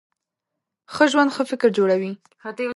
ښه ژوند ښه فکر جوړوي.